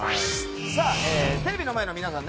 さあ、テレビの前の皆さん